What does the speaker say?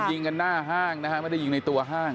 ยิงกันหน้าห้างนะฮะไม่ได้ยิงในตัวห้าง